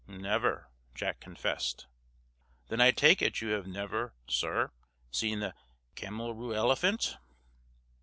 "Never," Jack confessed. "Then I take it you have never, sir, seen the camelroorelephant?"